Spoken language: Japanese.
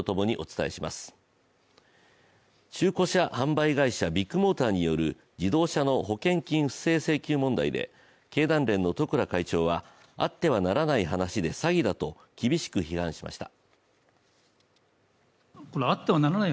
中古車販売会社ビッグモーターによる自動車の保険金不正請求問題で経団連の十倉会長はあってはならない話で詐欺だと厳しく批判しました。